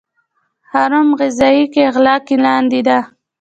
هرم غذایی کې غله لاندې ده.